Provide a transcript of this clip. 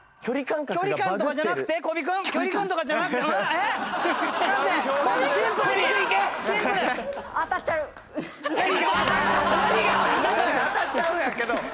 確かに当たっちゃうんやけど。